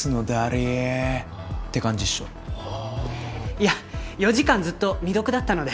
いや４時間ずっと未読だったので。